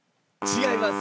違います！